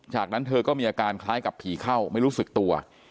จากนั้นเธอก็มีอาการคล้ายกับผีเข้าไม่รู้สึกตัว